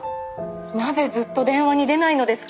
なぜずっと電話に出ないのですか？